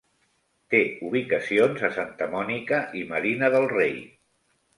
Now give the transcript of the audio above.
Té ubicacions a Santa Monica i Marina Del Rey.